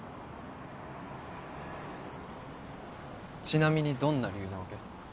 ちなみにどんな理由なわけ？